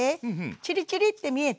チリチリって見えた？